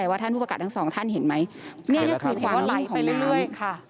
แล้วก็มีน้ำมนต์ด้วย